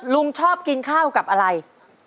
ลุงชอบกินข้าวกับอะไร